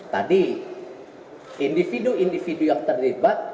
tadi individu individu yang terlibat